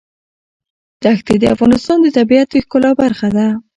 دښتې د افغانستان د طبیعت د ښکلا برخه ده.